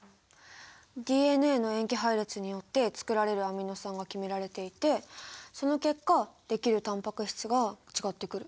ＤＮＡの塩基配列によってつくられるアミノ酸が決められていてその結果できるタンパク質が違ってくる。